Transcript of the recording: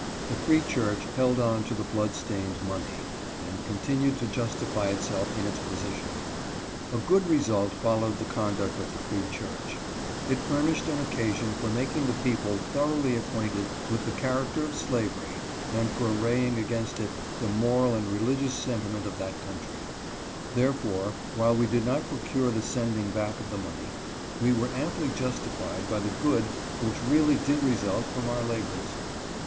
The Free Church held on to the blood stained money, and continued to justify itself in its position. One good result followed the conduct of the Free Church ; it furnished an occasion for making the people thoroughly acquainted with the character of slavery and for arraying against it the moral and religious sentiment of that country ; therefore, while we did not procure the sending back of the money, we were amply justified by the good which really did result from our labors.